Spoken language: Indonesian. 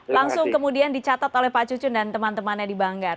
langsung kemudian dicatat oleh pak cucun dan teman temannya di banggar